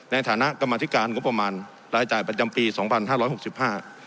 ในฐานะกรรมธิการงบประมาณรายจ่ายประจำปีสองพันห้าร้อยหกสิบห้า